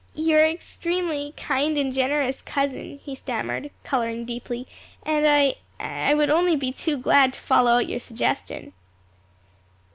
"You are extremely kind and generous cousin," he stammered, coloring deeply, "and I I would be only too glad to follow out your suggestion."